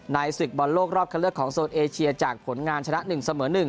ศึกบอลโลกรอบคันเลือกของโซนเอเชียจากผลงานชนะ๑เสมอ๑